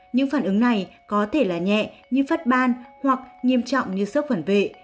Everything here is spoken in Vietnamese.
những phản ứng này có thể là nhẹ như phát ban hoặc nghiêm trọng như sốc phản vệ